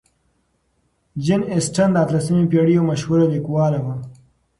جین اسټن د اتلسمې پېړۍ یو مشهورې لیکواله وه.